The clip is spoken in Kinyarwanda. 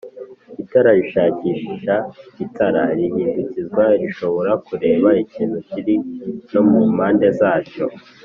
Itara rishakishaItara rihindukizwa rishobora kureba ikintu kiri no mu mpande zacyo